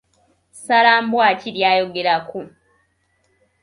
Ssalambwa ki ly’ayogerako?